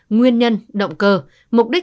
nguyên nhân động cơ mục đích